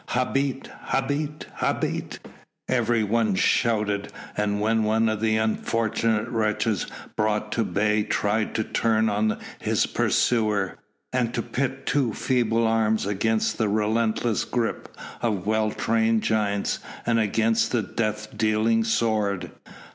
"Habet! Habet! Habet!" everyone shouted when one of the unfortunate wretches brought to bay tried to turn on his pursuer, and to pit two feeble arms against the relentless grip of well trained giants, and against the death dealing sword.